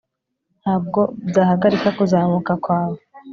ntabwo byahagarika kuzamuka kwawe